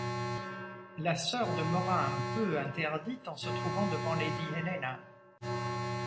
La sœur demeura un peu interdite en se trouvant devant lady Helena.